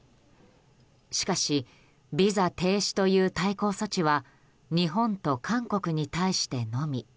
しかしビザ停止という対抗措置は日本と韓国に対してのみ。